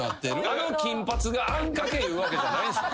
あの金髪があんかけいうわけじゃないんすよ。